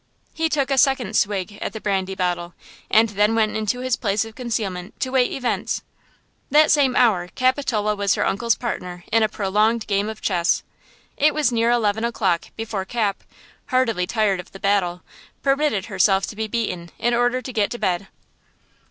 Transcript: He took a second "swig" at the brandy bottle and then went into his place of concealment to wait events. That same hour Capitola was her uncle's partner in a prolonged game of chess. It was near eleven o'clock before Cap, heartily tired of the battle, permitted herself to be beaten in order to get to bed.